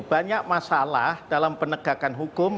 banyak masalah dalam penegakan hukum